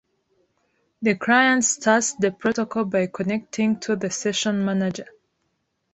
The client starts the protocol by connecting to the session manager.